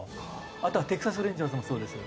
あとはテキサス・レンジャーズもそうです。